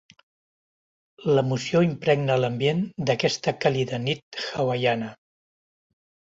L'emoció impregna l'ambient d'aquesta càlida nit hawaiana.